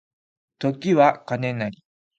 時は金なり